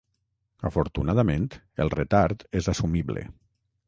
Afortunadament, el retard és assumible.